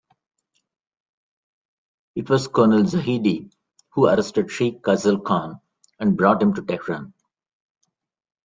It was Colonel Zahedi who arrested Sheikh Khaz'al Khan and brought him to Tehran.